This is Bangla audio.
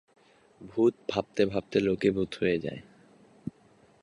ভূত ভাবতে ভাবতে লোকে ভূত হয়ে যায়।